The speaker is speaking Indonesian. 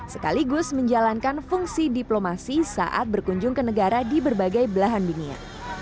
sekaligus menjalankan fungsi diplomasi saat berkunjung ke negara di berbagai belahan dunia